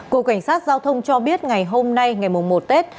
cục cảnh sát giao thông cho biết ngày hôm nay ngày một tết